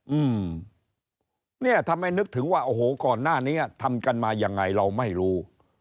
อืมเนี่ยทำไมนึกถึงว่าโอ้โหก่อนหน้านี้ทำกันมายังไงเราไม่รู้